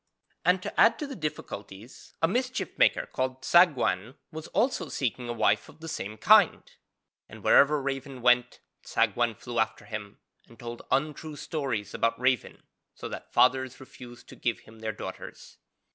And to add to the difficulties, a mischief maker called Tsagwan was also seeking a wife of the same kind, and wherever Raven went Tsagwan flew after him, and told untrue stories about Raven, so that fathers refused to give him their daughters.